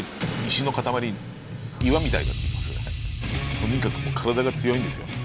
とにかく体が強いんですよ。